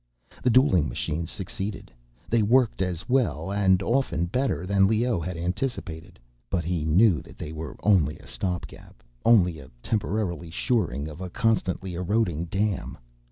The dueling machines succeeded. They worked as well, and often better, than Leoh had anticipated. But he knew that they were only a stopgap, only a temporary shoring of a constantly eroding dam.